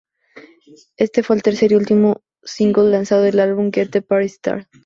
Este fue el tercer y último single lanzado del álbum "Get the Party Started".